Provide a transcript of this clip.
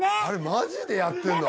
マジでやってんの？